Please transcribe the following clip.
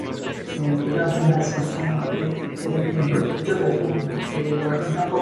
Durante varios años la zona fue explotada con el objeto de extraer piedra laja.